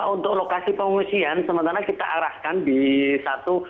untuk lokasi pengungsian sementara kita arahkan di satu